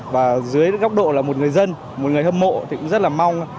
và dưới góc độ là một người dân một người hâm mộ thì cũng rất là mong